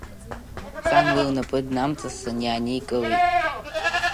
Кан уи лнапы днамҵасын, иааникылеит.